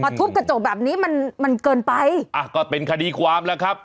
ทุบกระจกแบบนี้มันมันเกินไปอ่ะก็เป็นคดีความแล้วครับ